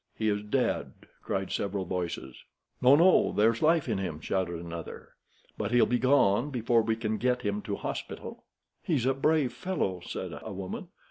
"He is dead," cried several voices. "No, no, there's life in him," shouted another. "But he'll be gone before you can get him to the hospital." "He's a brave fellow," said a woman.